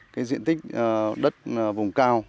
cái diện tích đất vùng cao